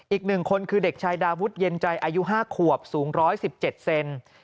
อีก๑คนคือเด็กชายดาวุฒิเย็นใจอายุ๕ขวบสูง๑๑๗เซน